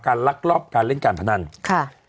ลักลอบการเล่นการพนันค่ะ